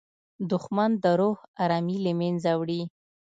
دښمن د روح ارامي له منځه وړي